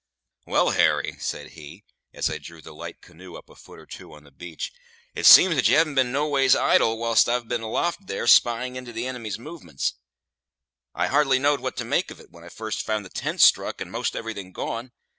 "Well, Harry," said he, as I drew the light canoe up a foot or two on the beach, "it seems that you haven't been noways idle whilst I've been aloft there spying into the inimy's movements. I hardly knowed what to make of it when I first found the tents struck and 'most everything gone.